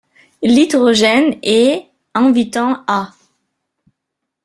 L'hydrogène est ', invitant à '.